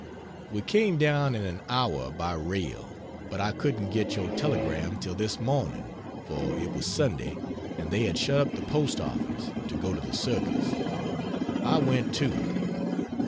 We came down in an hour by rail, but I couldn't get your telegram till this morning, for it was Sunday and they had shut up the post office to go to the circus. I went, too.